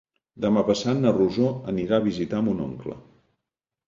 Demà passat na Rosó anirà a visitar mon oncle.